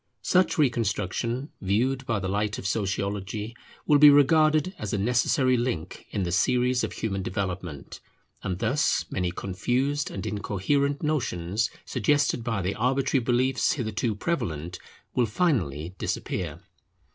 Such reconstruction, viewed by the light of Sociology, will be regarded as a necessary link in the series of human development; and thus many confused and incoherent notions suggested by the arbitrary beliefs hitherto prevalent will finally disappear.